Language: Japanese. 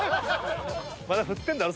また振ってんだろ？